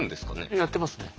やってますね。